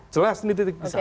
jelas ini titik pisah